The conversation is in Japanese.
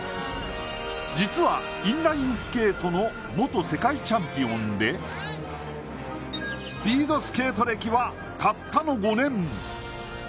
実はインラインスケートの元世界チャンピオンでスピードスケート歴はたったの５年。